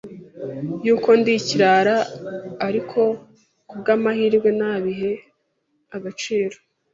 yuko ndi ikirara ariko ku bw’amahirwe ntabihe agaciro